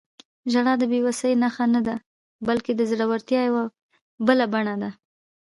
• ژړا د بې وسۍ نښه نه ده، بلکې د زړورتیا یوه بله بڼه ده.